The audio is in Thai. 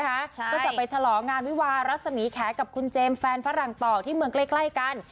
ก็จะไปฉลองงานวิวารัศมีแขกับคุณเจมส์แฟนฝรั่งต่อที่เมืองใกล้กัน